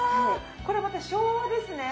これまた昭和ですね。